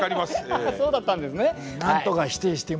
そうだったんですね。